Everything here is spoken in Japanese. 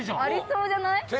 ありそうじゃない？